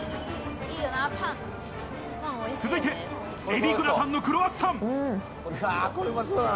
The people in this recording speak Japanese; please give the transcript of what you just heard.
続いて、えびグラタンのクロワッサン。